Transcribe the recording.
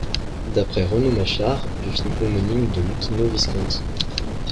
D'après Renaud Machart, du film homonyme de Luchino Visconti.